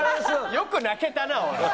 よく泣けたなおい。